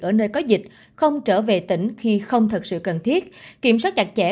ở nơi có dịch không trở về tỉnh khi không thật sự cần thiết kiểm soát chặt chẽ